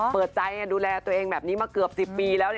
เปิดใจดูแลตัวเองแบบนี้มาเกือบ๑๐ปีแล้ว